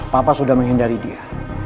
papa sudah menghindari dia